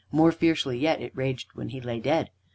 More fiercely yet it raged when he lay dead.